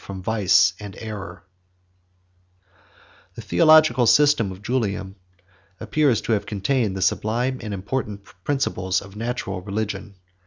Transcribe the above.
] The theological system of Julian appears to have contained the sublime and important principles of natural religion.